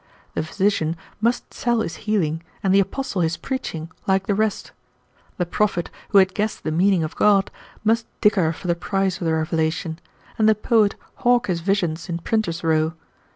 The physician must sell his healing and the apostle his preaching like the rest. The prophet, who had guessed the meaning of God, must dicker for the price of the revelation, and the poet hawk his visions in printers' row.